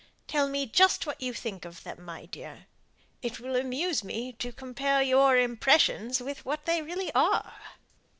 "Tell me just what you think of them, my dear; it will amuse me to compare your impressions with what they really are."